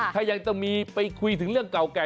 ถ้ายังจะมีไปคุยถึงเรื่องเก่าแก่